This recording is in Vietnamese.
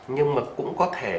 nhưng mà cũng có thể